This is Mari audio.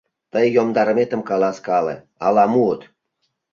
Тый йомдарыметым каласкале, ала муыт».